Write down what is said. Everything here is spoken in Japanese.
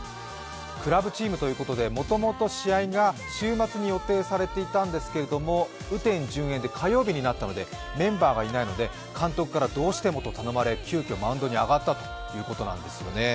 クラブチームということでもともと試合が週末に予定されていたんですけれども、雨天順延で火曜日になったのでメンバーがいないので監督からどうしてもと頼まれ急きょマウンドに上がったということなんですよね。